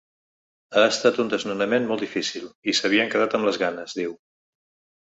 Ha estat un desnonament molt difícil i s’havien quedat amb les ganes, diu.